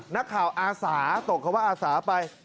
นักข่าวอาสาตกคำว่าอาสาไป